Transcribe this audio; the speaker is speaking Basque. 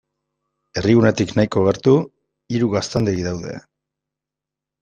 Herrigunetik nahiko gertu, hiru gaztandegi daude.